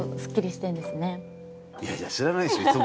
いやいや知らないでしょ